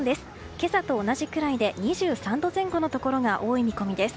今朝と同じくらいで２３度前後のところが多い見込みです。